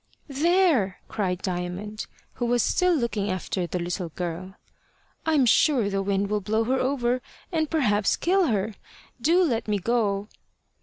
"There!" cried Diamond, who was still looking after the little girl. "I'm sure the wind will blow her over, and perhaps kill her. Do let me go."